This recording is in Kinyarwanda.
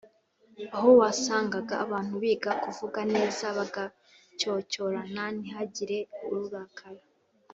aho wasangaga abantu biga kuvuga neza, bagacyocyorana ntihagire urakara